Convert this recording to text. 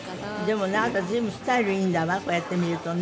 でもねあなた随分スタイルいいんだわこうやって見るとね。